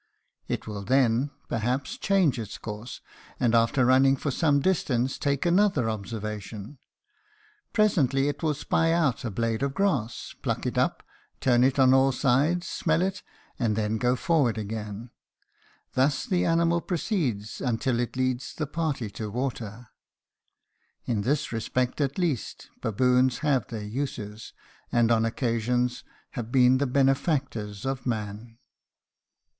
It will then, perhaps, change its course, and after running for some distance take another observation. Presently it will spy out a blade of grass, pluck it up, turn it on all sides, smell it, and then go forward again. Thus the animal proceeds until it leads the party to water. In this respect at least, baboons have their uses, and on occasions have been the benefactors of man.